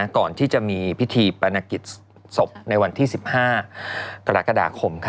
ก่อนที่จะมีพิธีปนกิจศพในวันที่๑๕กรกฎาคม